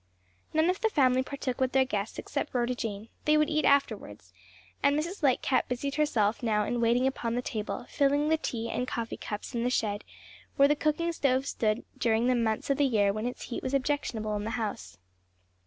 None of the family partook with their guests except Rhoda Jane; they would eat afterwards; and Mrs. Lightcap busied herself now in waiting upon the table; filling the tea and coffee cups in the shed where the cooking stove stood during the months of the year when its heat was objectionable in the house.